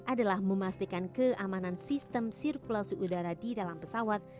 adalah memastikan keamanan sistem sirkulasi udara di dalam pesawat